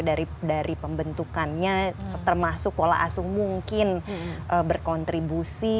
dari pembentukannya termasuk pola asuh mungkin berkontribusi